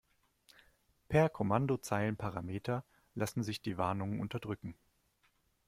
Per Kommandozeilenparameter lassen sich die Warnungen unterdrücken.